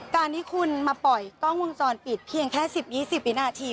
การที่คุณมาปล่อยกล้องวงจรปิดเพียงแค่๑๐๒๐วินาที